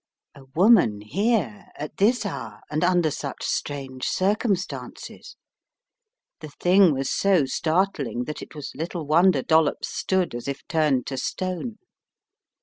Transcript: A woman here, at this hour, and under such strange circumstances! The thing was so startling that it was little wonder Dollops stood as if turned to stone.